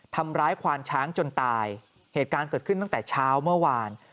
ควานช้างจนตายเหตุการณ์เกิดขึ้นตั้งแต่เช้าเมื่อวาน